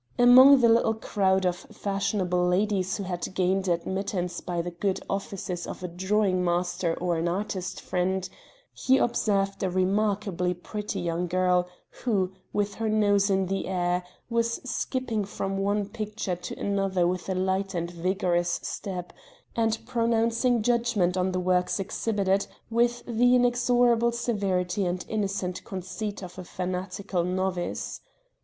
Among the little crowd of fashionable ladies who had gained admittance by the good offices of a drawing master or an artist friend, he observed a remarkably pretty young girl who, with her nose in the air, was skipping from one picture to another with a light and vigorous step, and pronouncing judgment on the works exhibited with the inexorable severity and innocent conceit of a fanatical novice.